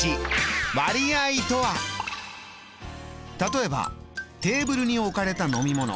例えばテーブルに置かれた飲み物。